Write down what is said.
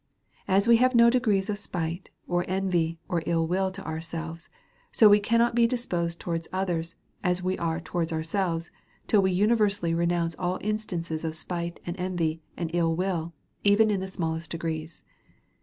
As we have no degrees of spite, or envy, or ill will to ourselves, so we cannot be disposed towards others as we are towards ourselves, till we universally re nounce all instances of spite and envy, and ill will, even in the smallest degrees.